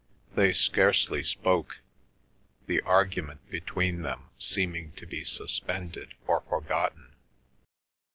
They scarcely spoke, the argument between them seeming to be suspended or forgotten.